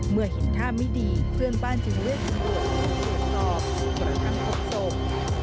เมื่อเห็นท่ามิดีเพื่อนบ้านถึงเลือกจำนวด